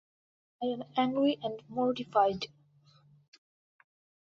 I am angry and mortified.